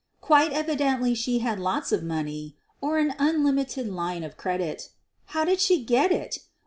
Quite evidently she had lots of money or an unlimited line of credit. How did she get it?